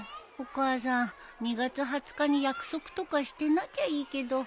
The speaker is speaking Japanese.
お母さん２月２０日に約束とかしてなきゃいいけど。